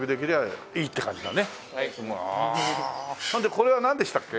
これはなんでしたっけ？